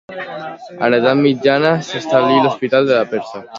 A l'edat mitjana, s'hi establí l'hospital de la Perxa.